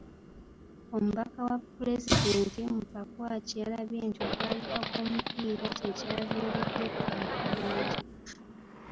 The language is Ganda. Omubaka wa pulezidenti mu Pakwach yalabye nti okwabika kw'omupiira ky'ekyaviiriddeko akabenje.